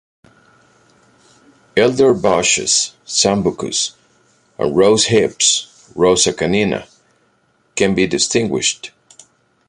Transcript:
Elder bushes (Sambucus) and rose hips (Rosa canina) can be distinguished.